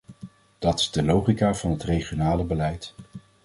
Dat is de logica van het regionale beleid.